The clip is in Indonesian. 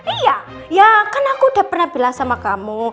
iya ya kan aku udah pernah bilang sama kamu